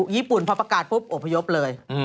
ญี่ปุ่นพอประกาศปุ๊บอบพยพเลย